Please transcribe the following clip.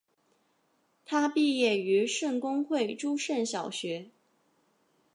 他毕业于圣公会诸圣小学。